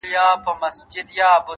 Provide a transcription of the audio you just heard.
علم د ژوند معنا روښانه کوي’